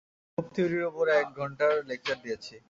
Group থিওরির ওপর এক ঘন্টার লেকচার দিয়েছি।